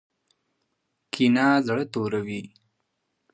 کینه زړه توروي